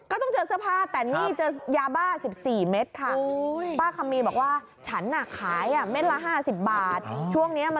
โอ้โฮคุณบุ๊กคุณขวัญ